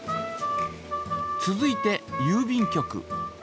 続いてゆう便局。